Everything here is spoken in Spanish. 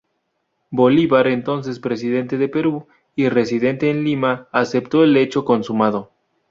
Bolívar, entonces presidente de Perú y residente en Lima, aceptó el hecho consumado.